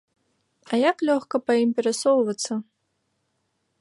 А як лёгка па ім перасоўвацца!